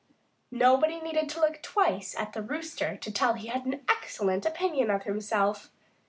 Nobody needed to look twice at the Rooster to tell that he had an excellent opinion of himself.